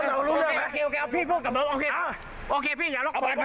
โอเคพี่ไม่ต้องกลับมา